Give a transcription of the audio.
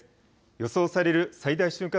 予想される最大瞬間